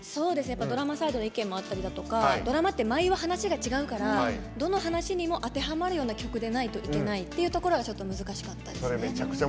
ドラマサイドの意見があったりとかドラマって毎話話が違ったりとかどの話にも当てはまるような曲でないといけないっていうところは難しかったですね。